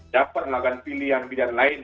dapat melakukan pilihan pilihan lain